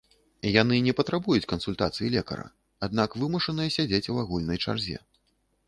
Яны не патрабуюць кансультацыі лекара, аднак вымушаныя сядзець у агульнай чарзе.